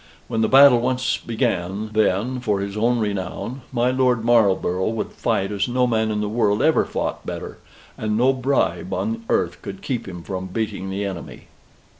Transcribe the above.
When the battle once began, then, for his own renown, my Lord Marlborough would fight as no man in the world ever fought better; and no bribe on earth could keep him from beating the enemy.